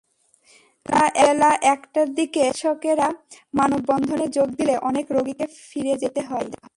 বেলা একটার দিকে চিকিৎসকেরা মানববন্ধনে যোগ দিলে অনেক রোগীকে ফিরে যেতে হয়।